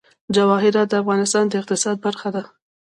جواهرات د افغانستان د اقتصاد برخه ده.